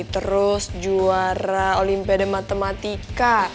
terus juara olimpia de matematika